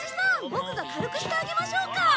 ボクが軽くしてあげましょうか？